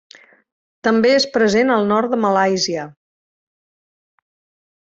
També és present al nord de Malàisia.